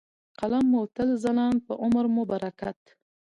، قلم مو تل ځلاند په عمر مو برکت .